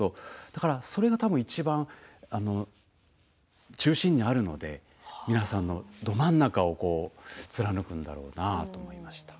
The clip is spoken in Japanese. だから、それがたぶんいちばん中心にあるので皆さんのど真ん中を貫くんだろうなと思いました。